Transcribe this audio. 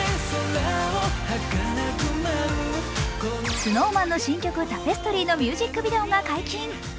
ＳｎｏｗＭａｎの新曲「タペストリー」のミュージックビデオが解禁。